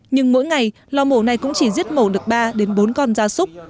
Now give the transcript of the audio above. nhưng mỗi ngày lò mổ này cũng chỉ giết mổ được ba bốn con ra sốc